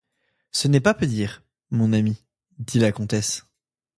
Ce n’est pas peu dire, mon ami, dit la comtesse.